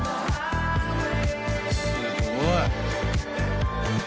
すごい。